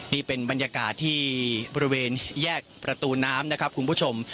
นี่เป็นบรรยากาศที่บริเวณแยกประตูน้ำนะครับคุณผู้ชม